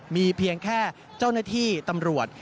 มีเพียงแค่เจ้าหน้าที่ตำรวจ